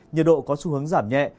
nhiệt độ có xu hướng giảm nhẹ